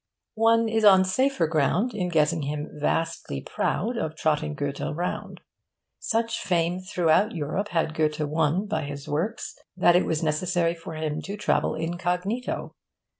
One is on safer ground in guessing him vastly proud of trotting Goethe round. Such fame throughout Europe had Goethe won by his works that it was necessary for him to travel incognito.